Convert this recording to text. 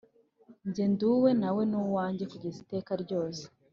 Njye nduwe nawe ni uwanjye kugeza iteka ryose